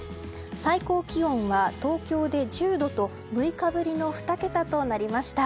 最高気温が東京で１０度と６日ぶりの２桁となりました。